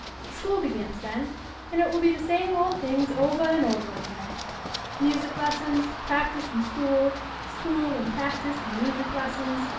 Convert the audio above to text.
School begins then, and it will be the same old things ovah and ovah again. Music lessons, practice an' school ; school an' prac tice an' music lessons.